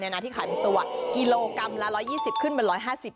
และสองนิดครับ